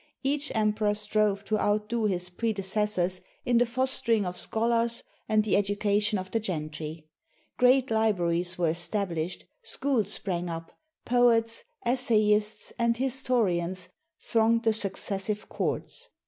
Each emperor strove to outdo his predecessors in the fostering of scholars and the education of the gentry. Great libraries were established, schools sprang up, poets, essayists, and historians thronged the successive courts.